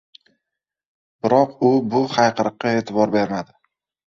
Biroq u bu hayqiriqqa eʼtibor bermadi.